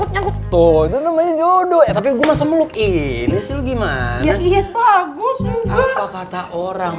nyangkut nyangkut tuh namanya jodoh tapi gue masa meluk ini sih lu gimana ya bagus apa kata orang